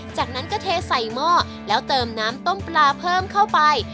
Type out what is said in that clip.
จากนั้นก็เทใส่หม้อแล้วเติมน้ำต้มปลาเพิ่มเข้าไป